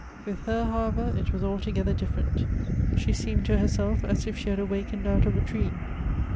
With her, however, it was altogether different. She seemed to herself as if she had awakened out of a dream.